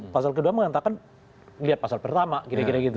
pasal kedua mengatakan lihat pasal pertama kira kira gitu